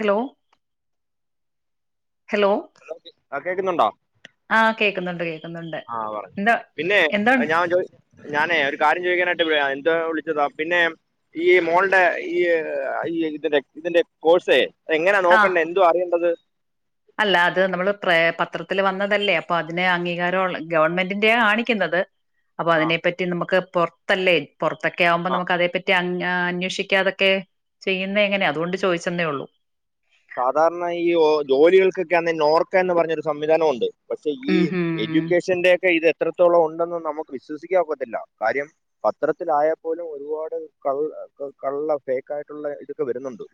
Hello hello ആഹ് കേക്കുന്നുണ്ടോ ആഹ് കേക്കുന്നുണ്ട് കേ ആഹ് പറഞ്ഞൊ പിന്നെ ഞാൻ ജോ ഞാനേ ഒരു കാര്യം ചോദിക്കാനായിട്ട് വിളി എന്താ വിളിച്ചതാ പിന്നെ ഈ മോളിന്റെ ഈ ഇതിന്റെ ഇതിന്റെ കോഴ്സെ എങ്ങനാ ആഹ് നോക്കണ്ടേ എന്തുവാ അറിയേണ്ടത് അല്ല അത് നമ്മള് പത്രത്തിൽ വന്നതല്ലേ അപ്പൊ അതിന് അംഗീകാരം ഒള്ളെ ഗവൺമെന്റിന്റെയാ കാണിക്കുന്നത് അപ്പൊ ആ അതിനെപ്പറ്റി നമുക്ക് പുറത്തല്ലേ പുറത്തൊക്കെ ആകുമ്പോ ആ നമുക്ക് അതേ പറ്റി അ അന്വേഷിക്കാതെ ക്കെ ചെയ്യുന്നേ എങ്ങനെ അതുകൊണ്ട് ചോദിച്ചെന്നേ ഉള്ളൂ സാധാരണ ഈ ജോലികൾക്കൊക്കെ ആന്നേ നോർക്ക എന്ന് പറഞ്ഞൊരു സംവിധാനം ഉണ്ട് പക്ഷെ ഈ ഉം ഉം എഡ്യൂക്കേഷന്റെ ഒക്കെ ഇത് എത്രത്തോളം ഉണ്ടെന്ന് നമുക്ക് വിശ്വസിക്കാൻ ഒക്കത്തില്ല കാര്യം പത്രത്തിലായാൽ പോലും ഒരുപാട് കള്ള കള്ള ഫേക്കായിട്ടുള്ള ഇത് വരുന്നുണ്ട്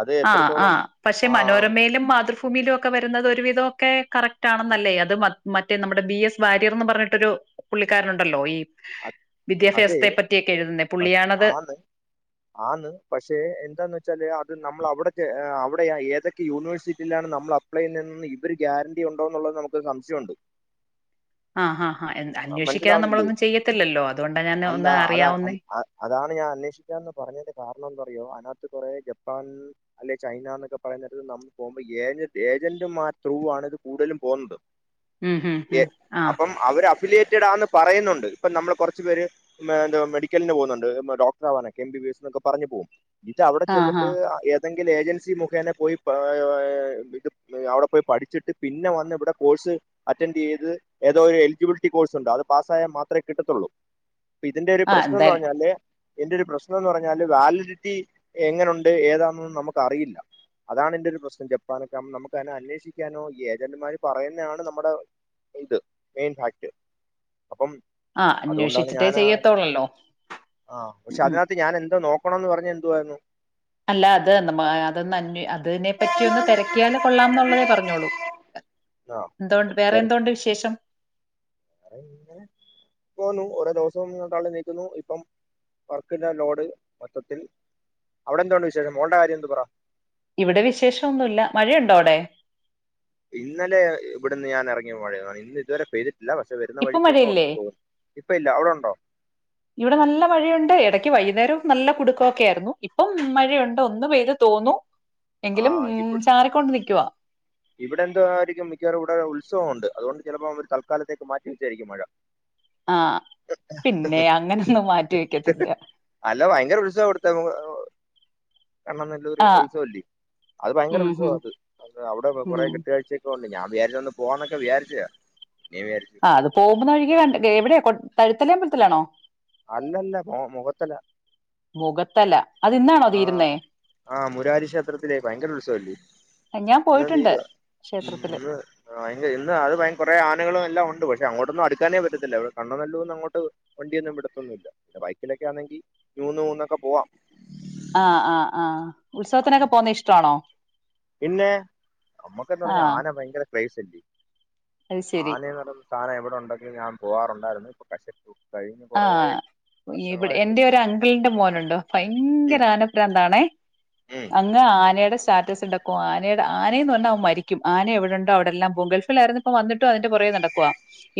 അത് എത്ര ആ പക്ഷെ മനോരമയിലും മാതൃഭൂ ഭൂമിലും ഒക്കെ വരുന്നത് ഒരുവിധമൊക്കെ കറക്റ്റാണെന്നല്ലേ അത് മറ്റേ നമ്മുടെ ബി എസ് വാര്യർന്ന് പറഞ്ഞിട്ടൊരു പുള്ളിക്കാരനുണ്ടല്ലോ ഈ അതെ വിദ്യാഭ്യാസത്തെ പറ്റിയൊക്കെ എഴുതുന്ന പുള്ളിയാണത് ആ ആന്ന് പക്ഷെ എന്താന്ന് വെച്ചാല് അത് നമ്മൾ അവിടെ അവിടെ ഏതൊക്കെ യൂണിവേഴ്സിറ്റിയിലാണ് നമ്മള് അപ്ലൈ അപ്ലൈയിൽ നിന്നും ഇവര് ഗ്യാരണ്ടി ഉണ്ടോ എന്നുള്ളത് നമുക്ക് സംശയമുണ്ട് ആഹ് ആഹ് ആഹ് അന്വേഷിക്കാതെ മനസ്സിലാവുന്നില്ലേ? നമ്മളൊന്നും ചെയ്യത്തില്ലല്ലോ അത് അതുകൊണ്ടാ ഞാൻ അല്ല ഒന്ന് അതാ അറിയാവുന്നേ അ- അ- അതാണ് ഞാൻ അന്വേഷിക്കാന്ന് പറഞ്ഞതിന്റെ കാരണം എന്താറയോ അതിനകത്ത് കുറെ ജപ്പാൻ അല്ലെ ചൈന എന്നൊക്കെ പറയത്ത് നമ്മൾ പോകുമ്പോ ഏജ ഏജന്റുമാര് ത്രൂ ആണ് ഇത് കൂടുതലും പോകുന്നത് ഉം ഉം ഉം ആഹ് അപ്പം അവര് അഫിലിയേറ്റഡാന്ന് പറയുന്നുണ്ട് ഇപ്പം നമ്മൾ കുറച്ച് പേര് എന്ത മെഡിക്കലിന് പോകുന്നുണ്ട് ഡോക്ടറവാനക്കെ എം ബി ബി എസ് എന്നൊക്കെ പറഞ്ഞു പോകും ഇത് അവിടെ ആഹ് ചെന്നിട്ട് ആഹ് ഏതെങ്കിലും ഏജൻസി മുഖേന പോയിഏഹ് ഏഹ് ഇത് ഏഹ് അവിടെ പോയി പഠിച്ചിട്ട് പിന്നെ വന്ന് ഇവിടെ കോഴ്സ് അറ്റൻഡ് ചെയ്ത് ഏതോ ഒരു എലിജിബിലിറ്റി കോഴ്സ് ഉണ്ട് അത് പാസ്സായാ മാത്രമേ കിട്ടത്തൊള്ളൂ അപ്പൊ ഇതിന്റെ ഒരു ആഹ് പ്രശ്നം എന്ന് എന്തായാലും പറഞ്ഞാല് ഇയിന്റെ ഒരു പ്രശ്നം എന്ന് പറഞ്ഞാല് വാലിഡിറ്റി എങ്ങനുണ്ട് ഏതാന്നൊന്നും നമുക്ക് അറിയില്ല അതാണ് എന്റെ ഒരു പ്രശ്നം ജപ്പാനൊക്കെ്പ നമുക്ക് അതിനെ അന്വേഷിക്കാനോ ഏജന്റുമാര് പറയുന്നതാണ് നമ്മുടെ ഇത് മെയിൻ ഫാക്ട് അപ്പം ആഹ് അതുകൊണ്ടാണ് അന്വേഷിച്ചിട്ടേ ഞാന് ചെയ്യത്തോളല്ലോ ആഹ് ഉം പക്ഷെ ഉം അതിനകത്ത് ഞാൻ എന്താ നോക്കണംന്ന് പറഞ്ഞത് എന്താരുന്നു അല്ല അതന്ന് മഹ് അതിനെ പറ്റി ഒന്ന് തെരക്കിയാല് കൊള്ളാം എന്നുള്ളതേ പറഞ്ഞോളൂ ആ എന്തോണ്ട് വേറെ തിരക്കാറ് എന്തോണ്ട് വിശേഷം ഇങ്ങനെ പോന്നു ഓരോ ദിവസവും ഇങ്ങനെ തള്ളി നീക്കുന്നു ഇപ്പം വർക്കിന്റെ ലോഡ് മൊത്തത്തിൽ അവിടെ എന്തൊണ്ട് വിശേഷം മോളുടെ കാര്യം എന്ത്‌ പറ ഇവിടെ വിശേഷൊന്നുമില്ല മഴയുണ്ടോ അവിടെ ഇന്നലെ ഇവിടുന്ന് ഞാൻ ഇറങ്ങിയപ്പം മഴയാ ഇന്ന് ഇതുവരെ പെയ്തി ഇല്ല പക്ഷെ വരുന്ന ഇപ്പം വഴിക്കൊക്കെ മഴയില്ലേ? ഒണ്ടെന്നു തോന്നും ഇപ്പം ഇല്ല അവിടൊണ്ടോ [inaudible] ഇവിടെ നല്ല മഴയൊണ്ട് ഇടയ്ക്ക് വൈകുന്നേരം നല്ല കുടുക്കം ഒക്കെ ആയിരുന്നു ഇപ്പം മഴയുണ്ട് ഒന്ന് പെയ്ത് തോന്നു ആ എങ്കിലും മ്മ് ഇവി- ചാറിക്കൊണ്ട് നിക്കുവാ ഇവിടെ എന്തോ ആയിരിക്കും മിക്കവാറും ഇവിടെ ഉത്സവം ഉണ്ട് അതുകൊണ്ട് ചിലപ്പോ അവര് തൽക്കാലത്തേക്ക് മാറ്റിവെച്ചായിരിക്കും മഴ ആഹ് പിന്നെ അങ്ങനൊന്നും മാറ്റി വെക്കത്തില്ല അല്ല ഭയങ്കര ഉത്സവം എടുത്തങ്ങ് എണ്ണേന്നു ല്ലോരു ആഹ് ഉത്സവല്ലിയോ അത് ഭയങ്കര ഉം ഉം ഉത്സവാ അത് അവിടെ ഉം ഒരാഴ്‌ച്ചേക്കൊള്ളൂ ഞാൻ വിചാരിച്ചൊന്ന് പോകാമെന്നൊക്കെ വിജാരിച്ചയാ പിന്നെ വിജാരിച്ച് ആഹ് അത് പോകുന്ന വഴിക്ക്‌ എവിടെയാ തഴുത്തലമ്പലത്തിലാണോ അല്ല അല്ല മൊ മുഖത്തല മുഖത്തല്ല അത് ഇന്നാണോ തീരുന്നേ ആഹ് മൂരാരി ക്ഷേത്രത്തില് ഭയങ്കര ഉത്സവല്ലിയോ ഞാൻ ഇന്ന് പോയിട്ടുണ്ട് തീരുവാ ക്ഷേത്രത്തില് ഇന്ന് ആഹ് ഇല്ല ഇന്നും അത് ഭയങ്ക ആനകളും കുറെ എല്ലാം ഉണ്ട് പക്ഷെ അങ്ങോട്ടൊന്നും അടുക്കാനേ പറ്റത്തില്ല ഇവിടെ കണ്ണനല്ലൂരീന്ന് അങ്ങോട്ട്- വണ്ടിയൊന്നും വിടത്തൊന്നുമില്ല ബൈക്കിലൊക്കെ ആന്നെങ്കി നൂന്ന് നൂന്നൊക്കെ പോവാം ആഹ് ആഹ് ആഹ് ഉത്സവത്തിനൊക്കെ പോന്നെ ഇഷ്ടവാണോ പിന്നേ നമ്മുക്കെന്നു പറഞ്ഞാ ആന ഭയങ്കര ക്രേസല്ലിയോ അത് ശരി ആനേന്ന് പറഞ്ഞപ്പ ഘന എവിടുണ്ടങ്കിൽ ഞാൻ പോകാറുണ്ടായിരുന്നു ഇപ്പ [unintelligible] കശ [unintelligible] പ്പ ആഹ് ഇവിടെ എന്റെ ഒരു അങ്കിളിന്റെ മോനുണ്ട്‌ ഉം ഭയങ്കര ആന ഭ്രാന്താണെ ഉം അ - അഹ് ആനേടെ സ്റ്റാറ്റസ് ഇണ്ടാക്കും ആനയുടെ ആനേന്ന് പറഞ്ഞാ അവൻ മരിക്കും ആന എവിടുണ്ടോ അടെല്ലാം പോകും ഗൾഫിലായിരുന്നു പിന്നെ - ഇപ്പ വന്നിട്ടും അതിന്റെ പൊറകേ നടക്കുവാ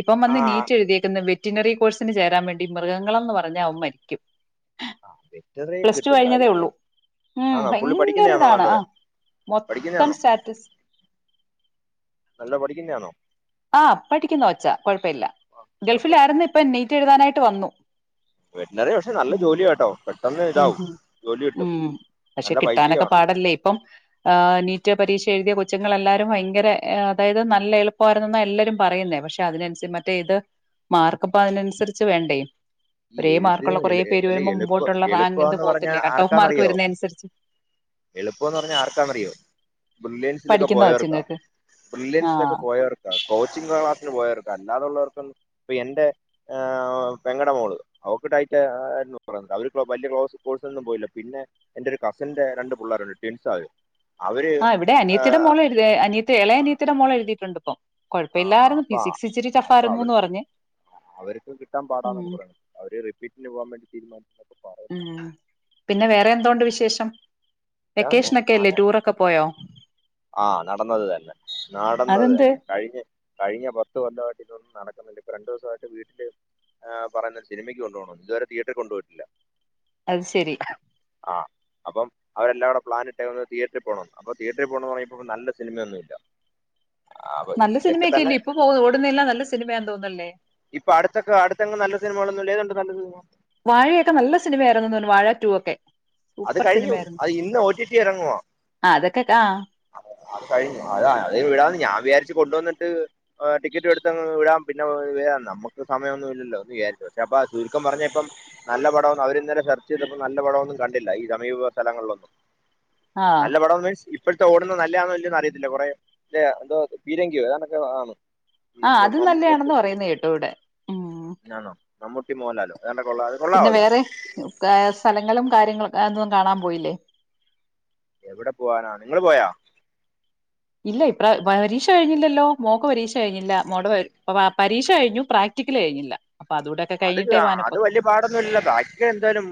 ഇപ്പം ആ വന്ന് നീറ്റ് എഴുതിയേക്കുന്നു വെറ്റിനറി കോഴ്സിന് ചേരാൻ വേണ്ടി മൃഗങ്ങളെന്ന് പറഞ്ഞാ അവൻ മരിക്കും ആഹ് വെറ്റിനറി പ്ലസ് ടു കിട്ടും കഴിഞ്ഞതേ കാര്യം- ഉള്ളൂ ഉം ആനോ പുള്ളി ഭയങ്കര പഠിക്കുന്ന ആനോ ഇതാണ് ആ നല്ലത് പഠിക്കുന്ന മൊത്തം ആനോ സ്റ്റാറ്റസ് നല്ല പഠിക്കുന്ന ആണോ ആഹ് പഠിക്കുന്ന കൊച്ചാ കൊഴപ്പയില്ല കുഴപ്പമില്ല ഗൾഫിലായിരുന്നു ഇപ്പം നീറ്റ് എഴുതാനായിട്ട് വന്നു വെറ്റിനറി പക്ഷെ നല്ല ഉം ജോലിയാ കേട്ടോ പെട്ടെന്ന് ഉം ഇതാവും ഉം ജോലി കിട്ടും ഉം പക്ഷെ നല്ല കിട്ടാനൊക്കെ പൈസയുമാണ് പാടല്ലേ ഇപ്പം ആഹ് നീറ്റ് പരീക്ഷ എഴുതിയ കൊച്ചുങ്ങളെല്ലാരും ഭയങ്കര അതായത് നല്ല എളുപ്പമായിരുന്നെന്നാ എല്ലരും പറയുന്നേ പക്ഷെ അതിനനുസരി മറ്റേ ഇത് മാർക്കിപ്പം ആ. അതിനനുസരിച്ച് വേണ്ടേ ഈ ഒരേ എഴുത്ത് മാർക്കൊള്ള കൊറേ എളു- പേര് അല്ല വരുമ്പം എളുപ്പ മുമ്പോട്ടുള്ള റാങ്ക് ഇത് എളുപ്പമെന്ന് പറഞ്ഞാൽ പോത്തില്ലേ കട്ട് ഓഫ് മാർക്ക് വരുന്ന അനുസരിച്ച്- എളുപ്പം എന്ന് പറഞ്ഞാ ആർക്കാ ന്നറിയോ ബ്രില്ലിയൻസിലൊക്കെ പഠിക്കുന്ന പോയവർക്കാ കൊച്ചുങ്ങൾക്ക് ആഹ് ബ്രില്ലിയൻസിലൊക്കെ പോ പോയവർക്കാ കോച്ചിങ്ങ് ക്ലാസിന് പോയവർക്കാ അല്ലാതൊള്ളവർക്കൊന്നും- എന്റെ പെങ്ങടെ മോള് അവക്ക്‌ ടൈറ്റാ ആയിരുന്നു പറയുന്നു വലിയ ക്ലോസ് കോഴ്‌സിനൊന്നും പോയില്ല പിന്നെ എന്റെ ഒരു കസിന്റെ രണ്ട് പിള്ളേരുണ്ട് ട്വിൻസ് അവര്- അവര് ആ ഇവിടെ ആഹ് അനിയത്തിയുടെ മോള് എഴുതി അനിയത്തി ഇളയെ ആഹ് അനിയത്തിയുടെ മോള് എഴുതിട്ടുണ്ട് ഇപ്പം ആഹ് ആഹ് കൊഴപ്പയില്ലായിരുന്നു അപ്പ ഫിസിക്സ് ഇച്ചിരി അപ്പൊ ടഫായിരുന്നുന്ന് അവർക്ക് പറഞ്ഞ് അവർക്ക് കിട്ടാൻ ഉം പാടാന്നൊക്കെ പറയുന്നു അവര് റിപ്പീറ്റിന് പോവാൻ വേണ്ടി തീരുമാനിച്ചന്ന് ഒക്കെ പറഞ്ഞു ഉം പിന്നെ വേറെ എന്തോണ്ട് വിശേഷം ഇതന്നെ വെക്കേഷനൊക്കെ അല്ലേ ആനെ ടൂറൊക്കെ പോയോ ആഹ് നടന്നത് തന്നെ നടന്നത് അതെന്ത് തന്നെ കഴിഞ്ഞ് - കഴിഞ്ഞ പത്ത് വർഷമായിട്ട് ഇതൊന്നും നടക്കുന്നുണ്ട് ഇപ്പൊ രണ്ടു ദിവസമായിട്ട് വീട്ടില്- ആ പറഞ്ഞ് സിനിമക്ക് കൊണ്ടു പോകണം ഇതുവരെ തിയേറ്ററിൽ കൊണ്ട് പോയിട്ടില്ല അത് ശരി ആ അപ്പം അവരെല്ലാകൂടെ പ്ലാനിട്ട് ഒന്ന് തിയേറ്ററിൽ പോണം അപ്പൊ തിയേറ്ററി- പോണം പറയുമ്പോ ഇപ്പൊ നല്ല സിനമൊന്നും ഇല്ല നല്ല സിനിമയൊക്കല്ലേ ഇപ്പൊ പോക ഓടുന്നെല്ല നല്ല സിനിമയാന്ന് തോന്നുന്നല്ലേ ഇപ്പൊ അടുത്തക്ക അടുത്തങ്ങും നല്ല സിനിമകളന്നുംല്ല ഏതാ കണ്ടെ നല്ല സിനിമ വാഴയൊക്കെ നല്ല സിനിമയായിരുന്നു തോന്നുന്നു വാഴ ടു ഒക്കെ അത് സൂപ്പർ കഴിഞ്ഞു സിനിമയായിരുന്നു അത് ഇന്ന് ഓടിടി ഇറങ്ങുവ ആഹ് അതൊക്കെ ആഹ് അത് കഴിഞ്ഞു അത് അ വിടാന്ന് ഞാൻ വിചാരിച്ച് കൊണ്ടുവന്നിട്ട്- ടിക്കറ്റ് എടുത്തങ്ങ് വിടാം പിന്നെ വരാം നമുക്ക് സമയമൊന്നും ഇല്ലല്ലൊ എന്ന് വിചാരി- പക്ഷെ അപ്പ ചുരുക്കം പറഞ്ഞാ ഇപ്പം നല്ല പടം ഒന്ന് അവര് ഇന്നലെ സെർച്ച് ചെയ്തപ്പ നല്ല പടമൊന്നും- കണ്ടില്ല ഈ സമീപത്തുള്ള സ്ഥലങ്ങളിലൊന്നും ആഹ് നല്ല പടം മീൻസ് ഇപ്പോഴത്തെ ഓടുന്ന നല്ലായാന്നോന്ന് ചോദിച്ച അറിയത്തില്ല കുറെ എന്തോ പീരങ്കിയോ ഏതാണ്ടൊക്കെ ആണ് ആഹ് അത് നല്ലതാണെന്ന് പറയുന്ന കേട്ടു ഇവിടെ ഉം ആണോ മമ്മൂട്ടി മോഹൻലാലോ [unintelligible] പിന്നെ വേറെ സ്ഥലങ്ങളും കാര്യങ്ങളും ഒന്നും കാണാൻ പോയില്ലേ എവിടെ പോവാനാ നിങ്ങള് പോയാ ഇല്ല ഇപ്ര പരീക്ഷ കഴിഞ്ഞില്ലല്ലോ മോൾക്ക് പരീക്ഷ കഴിഞ്ഞില്ല മോൾടെ പരീക്ഷ കഴിഞ്ഞു പ്രാക് പ്രാക്റ്റിക്കൽ കഴിഞ്ഞില്ല അപ്പൊ അതൂടെക്കെ അത് കഴിഞ്ഞിട്ടേ വാനപ്പ അത് വലിയ പാടൊന്നും ഇല്ലല്ലോ ബാക്കി എന്തായാലും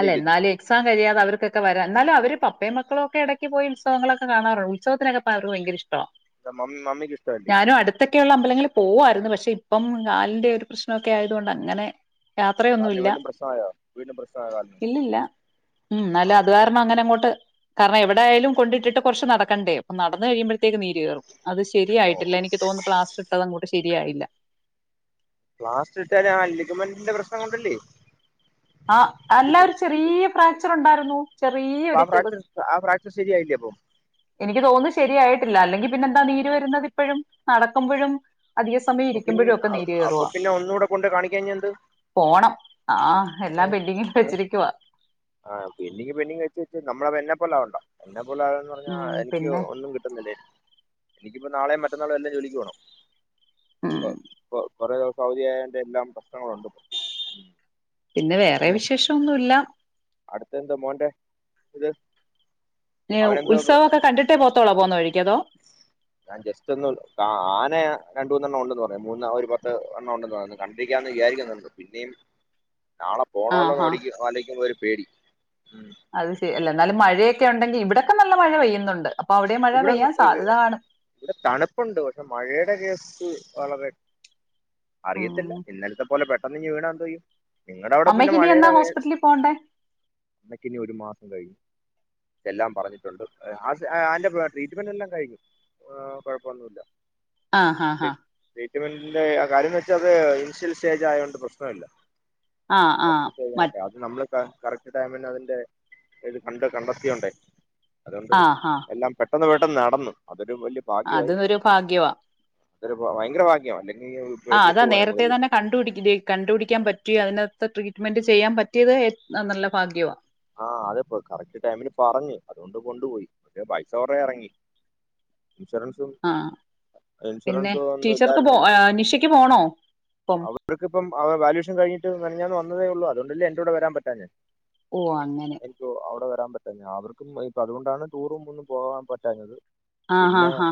അല്ല ജയിക്കത്തില്ലെ എന്നാലും എക്സാം കഴിയാതെ അവർക്കൊക്കെ വരാ എന്നാലും അവര് പപ്പേം മക്കളൊക്കെ ഇടക്ക് പോയി ഉത്സവങ്ങളൊക്കെ കാണാറു ഉത്സവത്തിന് ഒക്കെ പോവാൻ അവർക്ക് ഭയങ്കര ഇഷ്ട മമ്മി മമ്മിക്ക് ഇഷ്ട്ട അല്ലെ അടുത്തൊക്കെയുള്ള അമ്പലങ്ങളിൽ പോവായിരുന്നു പക്ഷെ ഇപ്പം കാലിന്റെ ഒരു പ്രശ്നമൊക്കെ ആയതുകൊണ്ട് അങ്ങനെ കാലിന് യാത്രയൊന്നുവില്ല വീണ്ടും പ്രശ്നമായോ വീണ്ടും പ്രശ്നമായോ കാലിന് ഇല്ലില്ല ഉം എന്നാലും അത് കാരണം അങ്ങനെ അങ്ങോട്ട് കാരണം എവിടെയാലും കൊണ്ടിട്ടിട്ട് കുറച്ച് നടക്കണ്ടേ അപ്പ നടന്ന് കഴിയുമ്പോഴ ത്തേക്കും നീര് കയറും അത് ഓ ശരിയായിട്ടില്ല എനിക്ക് തോന്നുന്നു പ്ലാസ്റ്റർ ഇട്ടത് അങ്ങോട്ട് ശരിയായില്ല പ്ലാസ്റ്റ് ഇട്ടത് ആ ലിഗമന്റിന്റെ പ്രശ്നം കൊണ്ടല്ലേ ആഹ് അല്ല ഒരു ചെറിയ ഫ്രാക്ചർ ഉണ്ടായിരുന്നു അപ്പം ചെറിയൊരു ആഹ് ചെറു ഫ്രാക്ചർ ആഹ് ഫ്രാക്ചർ ശരിയായില്ലെ അപ്പൊ എനിക്ക് തോന്നുന്നു ശരിയായിട്ടില്ല അല്ലെങ്കിൽ പിന്നെന്താ നീര് വരുന്നത് ഇപ്പോഴും നടക്കുമ്പോഴും അധിക സമയം അപ്പൊ പിന്നെ ഇരിക്കുമ്പോഴും ഒക്കെ നീര് അപ്പൊ കയറുവാ പിന്നെ ഒന്ന് കൂടെ കൊണ്ട് കാണിക്കാഞ്ഞ എന്ത് പോണം ആഹ് എല്ലാം പെൻഡിങ്ങിൽ വെച്ചിരിക്കുവ ആഹ് പെന്റിങ് പെന്റിങ് വെച്ച് വെച്ച് നമ്മള എന്നെ പോലെ ആവണ്ട എന്നെ പോലെ ആവാന്ന് പറഞ്ഞ ഉം എനിക്ക് പിന്നെ ഒന്നും കിട്ടുന്നില്ലേ എനിക്കിപ്പോ നാളെയും മറ്റന്നാളും എല്ലാം ജോലിക്ക് പോകണം ഉം കൊ കൊ കൊറേ ദിവസം അവധിയായൊണ്ട് എല്ലാം പ്രശ്നങ്ങള് ഉണ്ട് ഇപ്പൊ പിന്നെ വേറെ വിശേഷൊന്നു ഇല്ല അടുത്ത് എന്താ മോന്റെ ഇത് അവനെന്തോ ഉത്സവൊക്കെ കണ്ടിട്ടേ പോവത്തൊളോ പോവുന്ന വഴിക്ക് അതോ ഞാൻ ജസ്റ്റ് ഒന്ന് ആന രണ്ട് മൂന്ന് എണ്ണം ഉണ്ടെന്ന് പറയുന്ന് മൂന്ന് ആഹ് ഒരു പത്ത് എണ്ണം ഉണ്ടെന്ന് പറയുന്നു കണ്ടിരിക്കാന്ന് വിചാരിക്കുന്നുണ്ട് പിന്നെയും നാളെ ആ പോണല്ലോ ഹാ നോടി ആലൊചിക്കുമ്പോൾ ഒരു പേടി ഉം അത് ശരി എന്നാലും മഴയൊക്കെ ഉണ്ടെങ്കി ഇവിടൊക്കെ നല്ല മഴ പെയ്യുന്നുണ്ട് അപ്പൊ അവിടെ മഴ ഇവിടെ പെയ്യാൻ സാധ്യത കാണും ഇവിടെ തണുപ്പുണ്ട് പക്ഷെ മഴയുടെ കേസ് വളരെ അറിയത്തില്ല ഉം. ഇന്നലത്തെ പോലെ പെട്ടെന്ന് ഇങ്ങ്‌ വീണാ എന്തോ ചെയ്യും നിങ്ങളുടെ അവിടെ പിന്നെ അമ്മയ്ക്ക് ഇനി എന്നാ മഴയുടെ ഹോസ്പിറ്റലിൽ പോണ്ടേ [unintelligible] [unintelligible] ഒരു മാസം കഴിയും എല്ലാം പറഞ്ഞിട്ടുണ്ട് അതിന്റെ ട്രീറ്റ്മെന്റ് എല്ലാം കഴിഞ്ഞു കുഴപ്പമൊന്നുമില്ല ആഹ് ആഹ് ആഹ് ട്രീറ്റ്മെന്റിന്റെ ആ കാര്യം എന്ന് വെച്ചാ അത് ഇനിഷ്യൽ സ്റ്റേജ് ആയത് കൊണ്ട് പ്രശനമില്ല ആ ആ ഫസ്റ്റ് സ്റ്റേജ മറ്റ് [unintelligible] നമ്മള് ഇപ്പ കറക്ട് ടൈമിന് അതിന്റെ ഇത് കണ്ട് കണ്ടെത്തിയോണ്ടേ അതുകൊണ്ട് ആ ഹാ എല്ലാം പെട്ടെന്ന് പെട്ടെന്ന് നടന്നു അതൊരു വലിയ അത് ഒരു ഭാഗ്യവാ അത് ഒരു ഭയങ്കര ഭാഗ്യമാ അല്ലെങ്കിൽ ആഹ് അതാ പെട്ടുപോകാൻ നമ്മൾ നേരത്തെ തന്നെ കണ്ട്പിടി [unintelligible] കണ്ടു പിടിയ്ക്കാൻ പറ്റിയാ അതിനത്തെ ട്രീറ്റ്മെന്റ് ചെയ്യാൻ പറ്റിയത് ഏ നല്ല ഭാഗ്യവാ ആഹ് അതെ പ്പൊ കറക്ട് ടൈമില് പറഞ്ഞ് അതുകൊണ്ട് കൊണ്ടുപോയി പക്ഷേ പൈസ കൊറേ എറങ്ങി ഇൻഷുറൻസ് ആഹ്, പിന്നെ ഒന്നും ടീച്ചർക്ക് പോ ഇല്ലായിരുന്നല്ലോ ഏയ് നിഷയ്ക്ക് പോണോ പ്പം അവർക്ക്പ്പം ആഹ് വാലുവേഷൻ കഴിഞ്ഞിട്ട് മെനഞ്ഞാന്ന് വന്നതേയുള്ളൂ. അതുകൊണ്ടല്ലേ എന്റെ കൂടെ വരാൻ പറ്റാഞ്ഞെ ഓഹ് അങ്ങനെ. ക്കോ അവ്ടെ വെരാൻ പറ്റാഞ്ഞെ, അവർക്കും ഈ അതുകൊണ്ടാണ് ടൂറും ഒന്നും പോവാൻ പറ്റാഞ്ഞത്. ആ ഹാ പിന്നെ ഹാ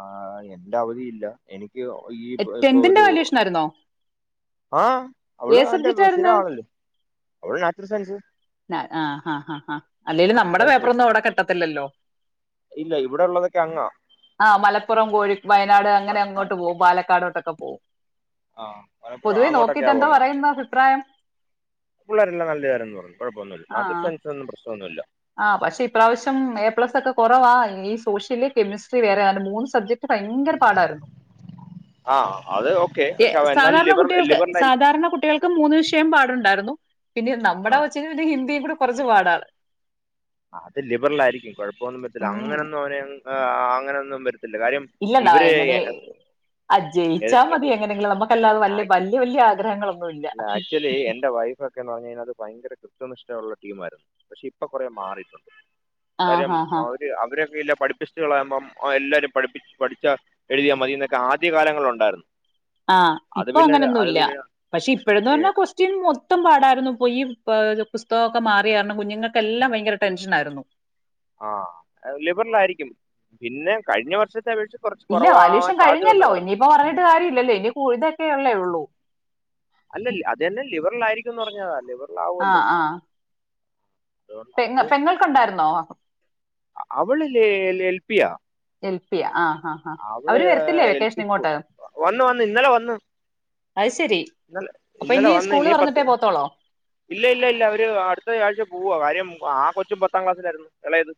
ആഹ് എന്റെ അവധിയില്ല എനിയ്ക്ക് ഒ ഈ ഇപ്പൊ ടെൻത്തിന്റെ ഒരു വാല്യൂഷൻ ആയിരുന്നോ ആഹ് അവള് ഏത് അവന്റെ സബ്ജക്റ്റ് ബ് സ്ഥിരം ആയിരുന്നു ആളല്ലേ അവള് നാച്ചുറൽ സയൻസ് നാ ആഹ് ആഹ് ആഹ് ആഹ് അല്ലെലും നാച്ചുറൽ നമ്മടെ സയൻസ് ബസ് പേപ്പറൊന്നും അവിടെ കിട്ടത്തില്ലല്ലോ? ഇല്ല ഇവിടെ ഉള്ളതൊക്കെ അങ്ങാ ആഹ്, മലപ്പുറം കോഴി വയനാട് അങ്ങനെ അങ്ങോട്ട് പോവും പാലക്കാടോട്ടൊക്കെ പോവും. ആഹ് മലപ്പുറം പൊതുവേ അങ്ങോട്ടൊക്കെയാ നോക്കിട്ടന്തോ പറയുന്ന അഭിപ്രായം. പിള്ളേരെല്ല നല്ലവരന്ന് പറഞ്ഞു കൊഴപ്പൊന്നുമില്ല ആ [unintelligible] പ്രശ്നംന്നുല്ല ആഹ് പക്ഷേ ഇപ്രാവശ്യം എ പ്ലസ് ഒക്കെ കുറവാ ഈ സോഷ്യല് കെമിസ്ട്രി വേറെ [unintelligible] മൂന്ന് സബ്ജക് ഭയങ്കര പാടായിരുന്നു. ആ അത് ഓക്കെ ഏയ് പക്ഷെ അവൻ എന്നാലും സാധാരണ ലിബർ കുട്ടികൾക്ക് ലിബറിലായിരിക്കും സാധാരണ കുട്ടികൾ ക്ക് മൂന്ന് വിഷയം പാടുണ്ടായിരുന്നു. പിന്നെ നമ്മടെ ആ കൊച്ചിന് പിന്നെ ഹിന്ദിയും കൂടെ കൊറച്ച് പാടാണ്. അത് ലിബറലായിരിക്കും കൊഴപ്പമൊന്നും പത്തില്ല. ഉം അങ്ങനൊന്നും അവന് ഉം ആഹ് അങ്ങനൊന്നും പര്ത്തില്ല കാര്യം ഇല്ലല്ലാ ഇവര് എങ്ങനെ അഹ് ജയിച്ചാ മതി എങ്ങനെങ്കിലും നമക്കല്ലാതെ വല്ല് ബൽ ല്ല്യ വല്ല്യ ആഗ്രഹങ്ങളും അല്ല ആക്ച്വലി എന്റെ വൈഫ് ഒ ക്കെന്ന് പർഞ്ഞഴിഞ്ഞാല് ഭയങ്കര കൃത്യനിഷ്ഠയുള്ള ടീമായിരുന്നു. പക്ഷെ ഇപ്പൊ കൊറേ മാറിയിട്ടുണ്ട്. ആഹ് കാര്യം ആഹ് ആഹ് അവര് അവരൊക്കെ ഇല്ല പഠിപ്പി സ്‌റ്റുകളാകുമ്പം ഒ എല്ലാരും പഠിപ്പി പഠിച്ച എഴുതിയാ മതിന്നൊക്കെ ആദ്യ കാലങ്ങളിലൊണ്ടായിരുന്നു. ആഹ്, ഇപ്പൊ അങ്ങനൊന്നുല്ല. പക്ഷെ ഇപ്പഴന്ന് ഏ, പർഞ്ഞാ കൊസ് റ്റിം മൊത്തം പാടായിരുന്നു പൊയി പ പുസ്തകക്കെ മാറി കാരണം കുഞ്ഞുങ്ങക്കെല്ലാം ഭയങ്കര ടെൻഷനായിരുന്നു. ആഹ് ലിബറലായിരിയ്ക്കും. പിന്നെ കഴിഞ്ഞ വർഷത്തെ അപേക്ഷിച്ച് കൊറച്ച് കൊറവാവാൻ സാധ്യത ഉണ്ടെന്ന് പറഞ്ഞു. ഇപ്പ പറഞ്ഞിട്ട് കാര്യമല്ലല്ലേ ഇനി കുഴുതൊക്കെ ഉള്ളേ ഉള്ളൂ അല്ലൽ അതന്നെ ലിബറലായിരിക്കുംന്ന് പറഞ്ഞതാ ലിബർ ആഹ്, ആഹ് [unintelligible] അത് പെങ്ങൾക്കുണ്ടായിരുന്നോ അ അവള് ലേ എൽ എൽപിയാ എൽ പി യാ ആഹ് ആഹ് അവള് ഏയ് എൽ പി സ്കൂൾ വന്ന് വന്ന് ഇന്നല വന്ന് അത് ശരി ന്നല്ലെ അപ്പൊ ഇനി ഇന്നലെ വന്ന് സ്കൂള് നി പത്ത് പറഞ്ഞിട്ടേ പോത്തോളോ ഇല്ല ഇല്ല ഇല്ല അവര് അടുത്ത ആഴ്ച പോവ കാര്യം ആ കൊച്ചും പത്താം ക്ലാസ്സിലായിരുന്നു എളെയത്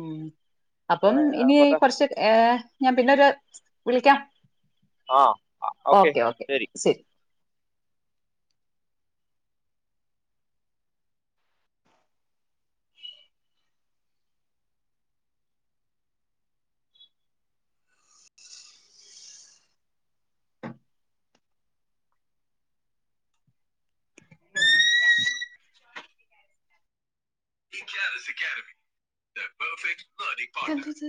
ഉം അപ്പം ഇനി പത്താം കൊർച്ച് ഏഹ് ഞാൻ പിന്നൊര് വിളിയ്ക്കാം. ആഹ് ഓക്കെ ശരി തെന്തിത്.